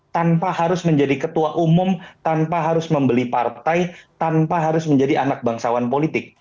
tanpa harus menjadi ketua umum tanpa harus membeli partai tanpa harus menjadi anak bangsawan politik